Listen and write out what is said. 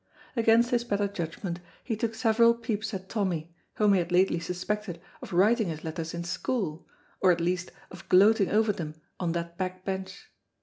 Against his better judgment he took several peeps at Tommy, whom he had lately suspected of writing his letters in school or at least of gloating over them on that back bench.